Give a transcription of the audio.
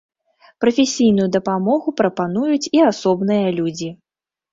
Прафесійную дапамогу прапануюць і асобныя людзі.